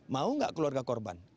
mau nggak keluarga korban